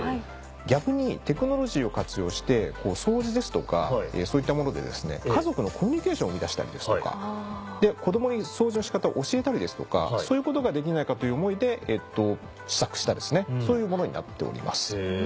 逆にテクノロジーを活用して掃除ですとかそういったもので家族のコミュニケーションを生み出したり子供に掃除の仕方を教えたりそういうことができないかという思いで試作したそういうものになっております。